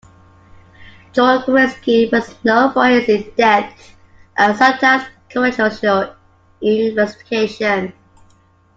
Chorvinsky was known for his in-depth, and sometimes controversial, investigations.